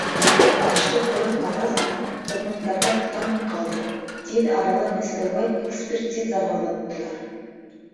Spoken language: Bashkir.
Ташты күреп ҡалғас, хеҙмәткәрҙәр таң ҡалды, тиҙ арала Мәскәүгә экспертизаға оҙаттылар.